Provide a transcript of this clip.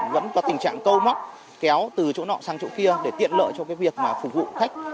vẫn có tình trạng câu móc kéo từ chỗ nọ sang chỗ kia để tiện lợi cho cái việc mà phục vụ khách